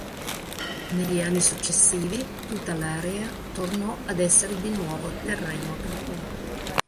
Negli anni successivi tutta l'area tornò ad essere di nuovo terreno agricolo.